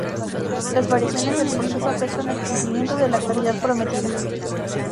Las variaciones del proceso afectan el cumplimiento de la calidad prometida.